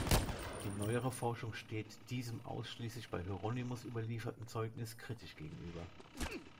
Die neuere Forschung steht diesem ausschließlich bei Hieronymus überlieferten Zeugnis kritisch gegenüber.